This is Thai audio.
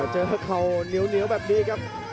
เข่าเหนียวแบบนี้ครับ